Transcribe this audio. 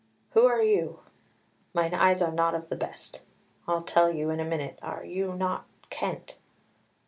Who are you? Mine eyes are not of the best; I'll tell you in a minute. Are you not Kent?"